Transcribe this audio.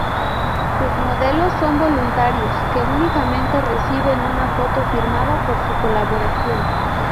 Sus modelos son voluntarios que únicamente reciben una foto firmada por su colaboración.